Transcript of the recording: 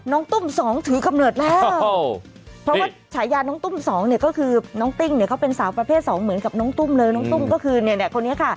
ตุ้มสองถือกำเนิดแล้วเพราะว่าฉายาน้องตุ้มสองเนี่ยก็คือน้องติ้งเนี่ยเขาเป็นสาวประเภทสองเหมือนกับน้องตุ้มเลยน้องตุ้มก็คือเนี่ยคนนี้ค่ะ